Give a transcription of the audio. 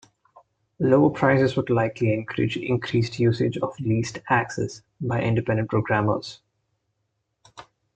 Lower prices would likely encourage increased usage of leased access by independent programmers.